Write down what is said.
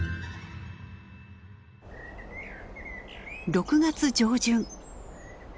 ６月上旬。